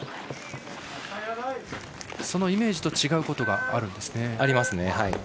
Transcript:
そのイメージと違うことがあるんですね。